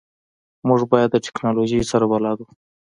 موږ باید د تکنالوژی سره بلد وو